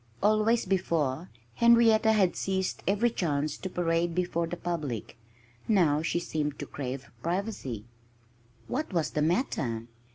Always, before, Henrietta had seized every chance to parade before the public. Now she seemed to crave privacy. What was the matter?